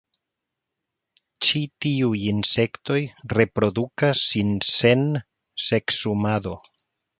Ĉi tiuj insektoj reprodukas sin sen seksumado.